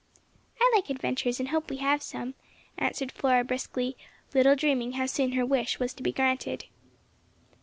"I like adventures and hope we shall have some," answered Flora, briskly, little dreaming how soon her wish was to be granted.